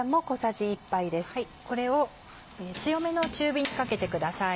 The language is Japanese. これを強めの中火にかけてください。